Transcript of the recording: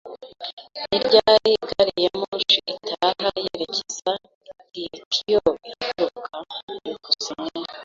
Ni ryari gari ya moshi itaha yerekeza i Tokiyo ihaguruka? byukusenge